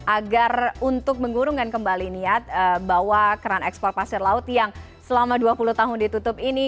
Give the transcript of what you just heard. agar untuk mengurungkan kembali niat bahwa keran ekspor pasir laut yang selama dua puluh tahun ditutup ini